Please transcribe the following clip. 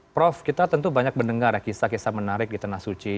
prof kita tentu banyak mendengar ya kisah kisah menarik di tanah suci